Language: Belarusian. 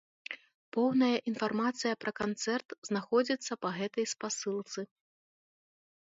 Поўная інфармацыя пра канцэрт знаходзіцца па гэтай спасылцы.